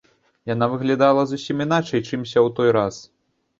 Яна выглядала зусім іначай, чымся ў той раз.